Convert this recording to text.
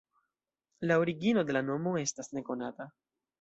La origino de la nomo estas nekonata.